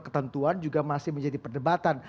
ketentuan juga masih menjadi perdebatan